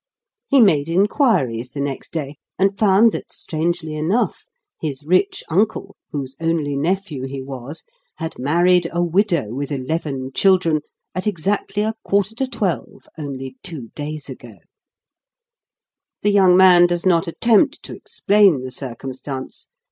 He made inquiries the next day, and found that, strangely enough, his rich uncle, whose only nephew he was, had married a widow with eleven children at exactly a quarter to twelve, only two days ago, The young man does not attempt to explain the circumstance.